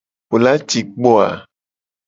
Wo la ci kpo a?